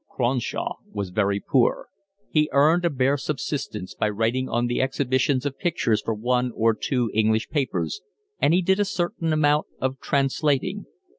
Cronshaw was very poor. He earned a bare subsistence by writing on the exhibitions of pictures for one or two English papers, and he did a certain amount of translating.